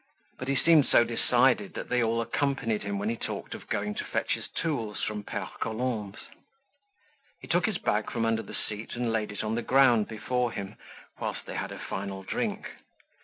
But he seemed so decided that they all accompanied him when he talked of going to fetch his tools from Pere Colombe's. He took his bag from under the seat and laid it on the ground before him whilst they had a final drink.